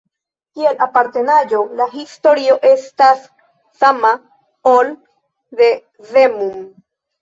Kiel apartenaĵo, la historio estas sama, ol de Zemun.